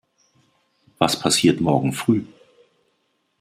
Was passiert morgen früh?